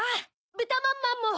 ぶたまんまんも！